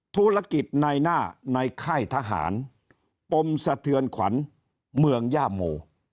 ธุรกิจในหน้าในค่ายทหารปมสะเทือนขวัญเมืองย่าโม